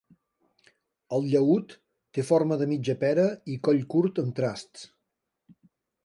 El llaüt té forma de mitja pera i coll curt amb trasts.